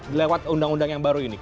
lewat undang undang yang baru ini